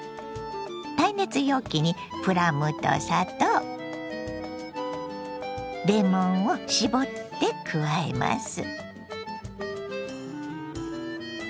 耐熱容器にプラムと砂糖レモンを搾って加えます。